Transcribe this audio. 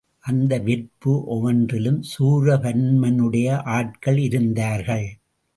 அந்த வெற்பு ஒவ்வொன்றிலும் சூரபன்மனுடைய ஆட்கள் இருந்தார்கள்.